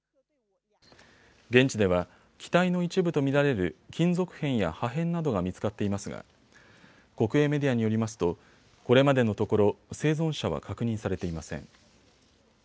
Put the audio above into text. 現地では機体の一部と見られる金属片や破片などが見つかっていますが国営メディアによりますとこれまでのところ生存者は確認されていません。